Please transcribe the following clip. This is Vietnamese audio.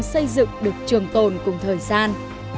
xây dựng được trường tồn cùng thời gian